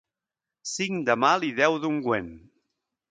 Cinc de mal i deu d'ungüent.